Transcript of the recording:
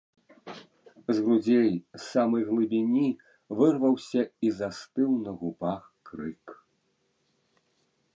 З грудзей, з самай глыбіні, вырваўся і застыў на губах крык.